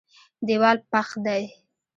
دېوال پخ دی.